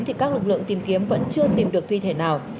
thì các lực lượng tìm kiếm vẫn chưa tìm được thi thể nào